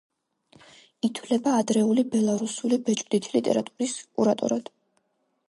ითვლება ადრეული ბელარუსული ბეჭვდითი ლიტერატურის კურატორად.